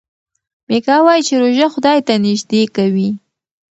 میکا وايي چې روژه خدای ته نژدې کوي.